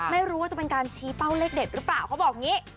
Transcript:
ไม่รู้ว่าจะเป็นการชี้เป้าเลขเด็ดหรือเปล่าเขาบอกอย่างนี้